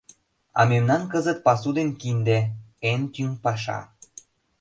А мемнан кызыт пасу ден кинде — эн тӱҥ паша.